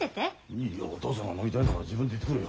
いいよお父さんが飲みたいんだから自分で行ってくるよ。